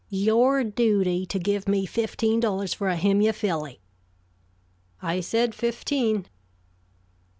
"Your duty to give me fifteen dollars for a Himyah filly?" "I said fifteen."